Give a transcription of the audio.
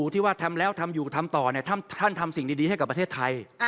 ที่ว่าทำแล้วทำอยู่ทำต่อท่านทำสิ่งดีให้กับประเทศไทย